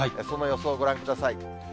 その予想をご覧ください。